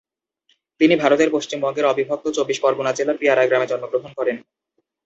তিনি ভারতের পশ্চিমবঙ্গের অবিভক্ত চব্বিশ পরগণা জেলার পেয়ারা গ্রামে জন্মগ্রহণ করেন।